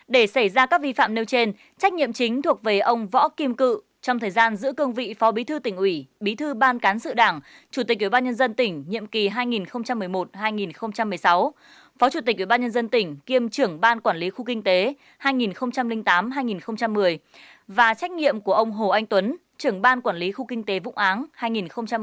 để xảy ra các vi phạm nêu trên trách nhiệm chính thuộc về ông võ kim cự trong thời gian giữ công vị phó bí thư tỉnh ủy bí thư ban cán sự đảng chủ tịch ủy ban nhân dân tỉnh nhiệm kỳ hai nghìn một mươi một hai nghìn một mươi sáu phó chủ tịch ủy ban nhân dân tỉnh kiêm trưởng ban quản lý khu kinh tế hai nghìn tám hai nghìn một mươi và trách nhiệm của ông hồ anh tuấn trưởng ban quản lý khu kinh tế vũng áng hai nghìn một mươi hai nghìn một mươi sáu